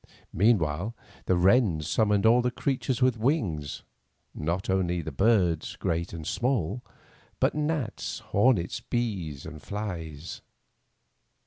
Mean while, the wrens summoned all the creatures with wings — not only the birds, great and small, but gnats, hornets, bees, and flies.